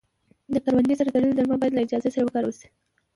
د کروندې سره تړلي درمل باید له اجازې سره وکارول شي.